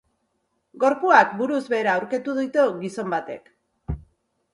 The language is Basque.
Gorpuak buruz behera aurkitu ditu gizon batek.